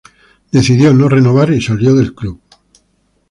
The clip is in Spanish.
Decidió no renovar y salió del club.